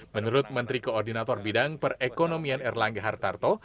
menurut menteri koordinator bidang perekonomian erlangga hartarto